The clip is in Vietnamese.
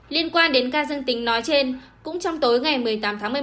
liên quan đến ca dân tính nói trên cũng trong tối ngày một mươi tám tháng một mươi một